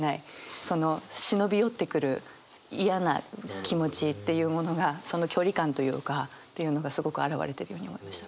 その忍び寄ってくる嫌な気持ちっていうものがその距離感というかというのがすごく表れてるように思いました。